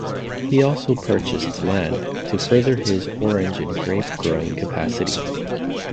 He also purchased land to further his orange and grape growing capacity.